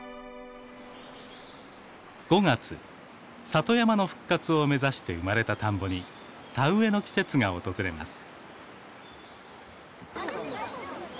里山の復活を目指して生まれた田んぼに田植えの季節が訪れます。